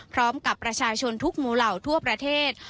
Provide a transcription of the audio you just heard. พร้อมกับประชาชนทุกหมู่เหล่าทั่วประเทศ